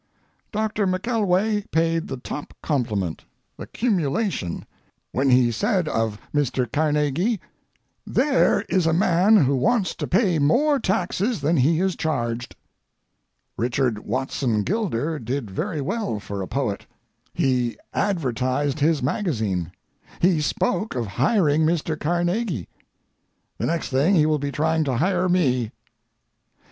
Doctor McKelway paid the top compliment, the cumulation, when he said of Mr. Carnegie: "There is a man who wants to pay more taxes than he is charged." Richard Watson Gilder did very well for a poet. He advertised his magazine. He spoke of hiring Mr. Carnegie—the next thing he will be trying to hire me.